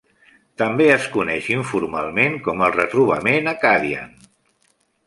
També es coneix informalment com el "retrobament Acadian".